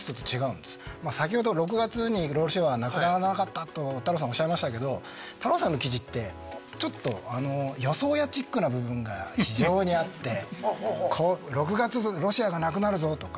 先ほど６月にロシアはなくならなかったと太郎さんおっしゃいましたけど太郎さんの記事ってちょっと予想屋チックな部分が非常にあって６月ロシアがなくなるぞとか。